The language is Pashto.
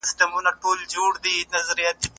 که مطالعې ته جهت ورکړل سي نو ذوق غوړیږي.